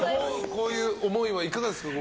こういう思いはいかがですか？